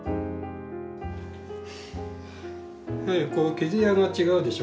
毛艶が違うでしょ？